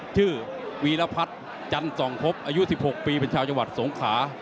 วีรพัฒน์จันส่องคบอายุ๑๖ปีเป็นชาวจังหวัดสงขา